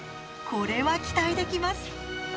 これは、期待できます。